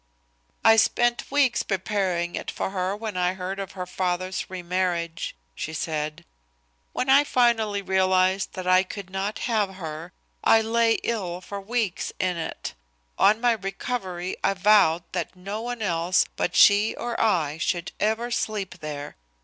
"I spent weeks preparing it for her when I heard of her father's remarriage," she said, "When I finally realized that I could not have her, I lay ill for weeks in it. On my recovery I vowed that no one else but she or I should ever sleep there.